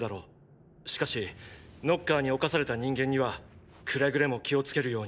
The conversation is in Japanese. しかしノッカーに侵された人間にはくれぐれも気をつけるように。